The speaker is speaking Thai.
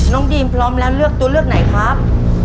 ดีมพร้อมแล้วเลือกตัวเลือกไหนครับ